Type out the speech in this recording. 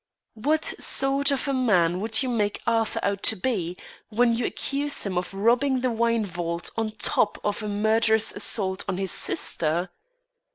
"What sort of a man would you make Arthur out to be, when you accuse him of robbing the wine vault on top of a murderous assault on his sister?"